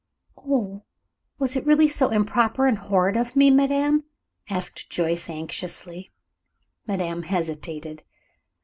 "Oh, was it really so improper and horrid of me, madame?" asked Joyce, anxiously. Madame hesitated.